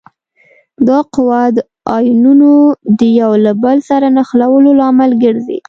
دا قوه د آیونونو د یو له بل سره نښلولو لامل ګرځي.